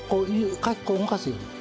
こう動かすように。